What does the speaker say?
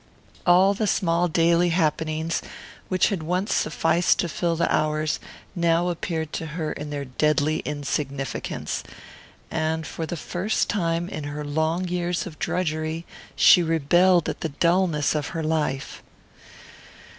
All the small daily happenings which had once sufficed to fill the hours now appeared to her in their deadly insignificance; and for the first time in her long years of drudgery she rebelled at the dullness of her life.